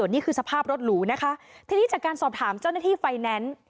นี่คือสภาพรถหรูนะคะทีนี้จากการสอบถามเจ้าหน้าที่ไฟแนนซ์